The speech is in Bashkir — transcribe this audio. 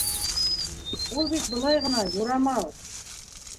Ул бит былай ғына, юрамал.